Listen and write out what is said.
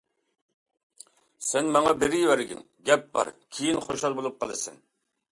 سەن ماڭا بېرىۋەرگىن، گەپ بار، كېيىن خۇشال بولۇپ قالىسەن.